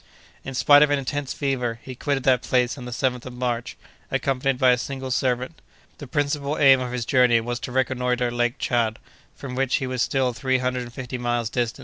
In spite of an intense fever, he quitted that place on the 7th of March, accompanied by a single servant. The principal aim of his journey was to reconnoitre Lake Tchad, from which he was still three hundred and fifty miles distant.